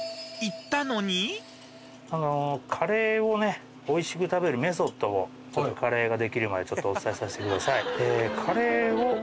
カレーをおいしく食べるメソッドをちょっとカレーができるまでお伝えさせてください。